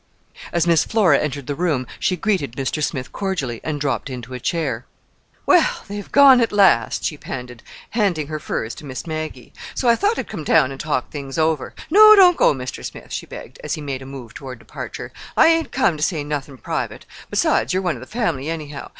As Miss Flora entered the room she greeted Mr. Smith cordially, and dropped into a chair. "Well, they've gone at last," she panted, handing her furs to Miss Maggie; "so I thought I'd come down and talk things over. No, don't go, Mr. Smith," she begged, as he made a move toward departure. "I hain't come; to say nothin' private; besides, you're one of the family, anyhow.